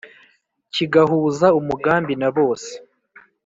kigahuza umugambi na bose